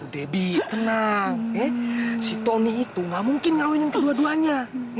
debbie tenang si tony itu gak mungkin ngawin kedua duanya